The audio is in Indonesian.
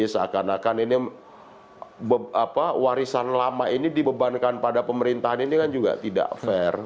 seakan akan ini warisan lama ini dibebankan pada pemerintahan ini kan juga tidak fair